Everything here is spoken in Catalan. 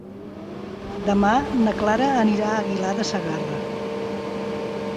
Demà na Clara anirà a Aguilar de Segarra.